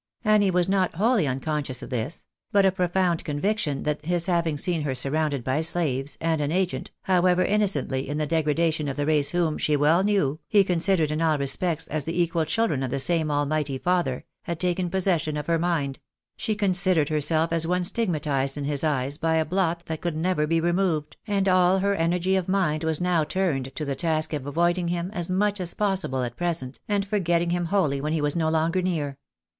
Annie was not wholly unconscious of this ; but a profound conviction that his having seen her surrounded by slaves, and an agent, however innocently, in the degradation of the race whom, she well knew, he considered in all respects as the equal children of the same Almighty Father, had taken possession of her mind ; she considered herself as one stigmatised in his eyes by a blot that could never be removed ; and all her energy of mind was now turned to the task of avoiding him as much as possible at at present, and fogetting him wholly when he was no longer near.